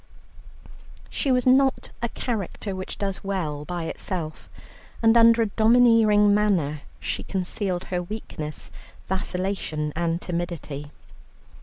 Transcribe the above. She was not a character which does well by itself, and under a domineering manner she concealed her weakness, vacillation, and timidity.